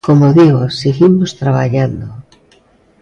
Como digo, seguimos traballando.